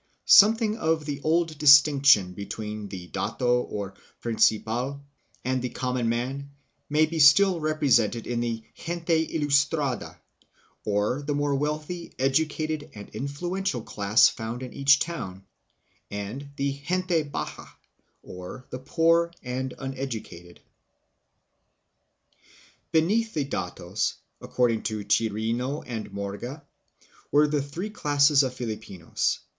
Something of the old distinction between the dato, or " principal," and the common man may be still represented in the " gente ilustrada," or the more wealthy, educated, and influential class found in each town, and the " gente baja," or the poor and uneducated. Classes of Filipinos under the Datos. Beneath the datos, according to Chirino and Morga, there were three classes of Filipinos.